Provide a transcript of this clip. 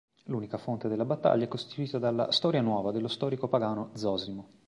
L'unica fonte della battaglia è costituita dalla "Storia Nuova" dello storico pagano Zosimo.